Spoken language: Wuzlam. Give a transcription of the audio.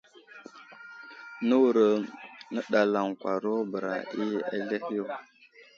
Nəwuro nəɗalaŋwaro bəra i aseh yo.